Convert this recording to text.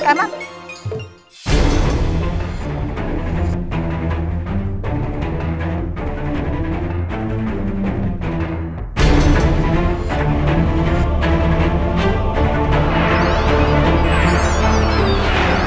kedua duanya sudah berhasil menang